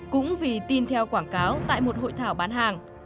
cũng vì tin theo quảng cáo tại một hội thảo bán hàng